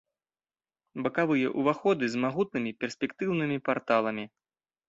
Бакавыя ўваходы з магутнымі перспектыўнымі парталамі.